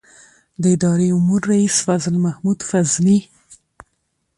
د اداره امور رئیس فضل محمود فضلي